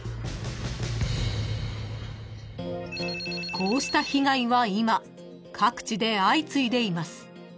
［こうした被害は今各地で相次いでいます］